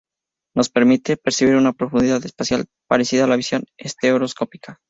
Nos permite percibir una profundidad espacial parecida a la visión estereoscópica.